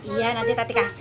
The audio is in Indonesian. iya nanti tadi kasih